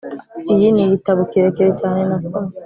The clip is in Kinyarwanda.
iyi ni igitabo kirekire cyane nasomye.